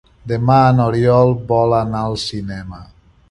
Demà n'Oriol vol anar al cinema.